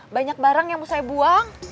banyak barang yang mau saya buang